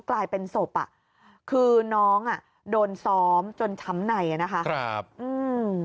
กลายเป็นศพอ่ะคือน้องอ่ะโดนซ้อมจนช้ำในอ่ะนะคะครับอืม